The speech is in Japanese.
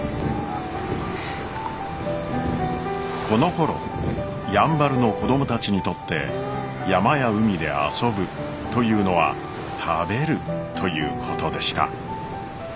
このころやんばるの子供たちにとって山や海で「遊ぶ」というのは「食べる」ということでした。